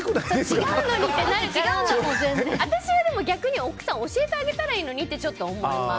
私は逆に奥さん教えてあげたらいいのにってちょっと思います。